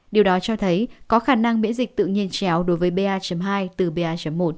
điều đó cho thấy có khả năng miễn dịch tự nhiên chéo đối với ba hai từ ba một